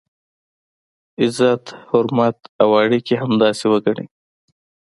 عزت، حرمت او اړیکي همداسې وګڼئ.